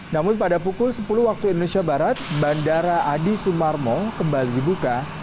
namun pada pukul sepuluh waktu indonesia barat bandara adi sumarmo kembali dibuka